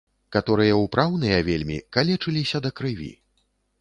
Каторыя ўпраўныя вельмі, калечыліся да крыві.